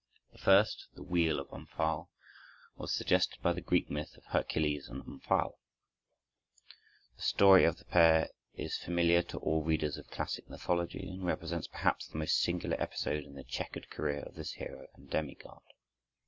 The first, the "Wheel of Omphale," was suggested by the Greek myth of Hercules and Omphale. The story of the pair is familiar to all readers of classic mythology, and represents perhaps the most singular episode in the checkered career of this hero and demigod.